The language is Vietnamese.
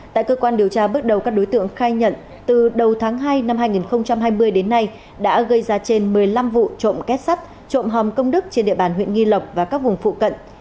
tại cơ quan điều tra bước đầu các đối tượng khai nhận từ đầu tháng hai năm hai nghìn hai mươi đến nay đã gây ra trên một mươi năm vụ trộm kết sắt trộm hòm công đức trên địa bàn huyện nghi lộc và các vùng phụ cận